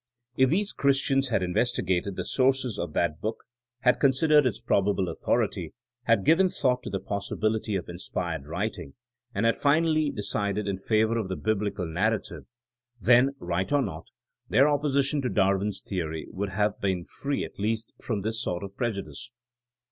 If these Christians had investigated the sources of that book, had considered its prob able authority, had given thought to the possi bility of inspired writing, and had finally de cided in favor of the Biblical narrative ; then — right or not — ^their opposition to Darwin's the ory would have been free at least from this sort of prejudice.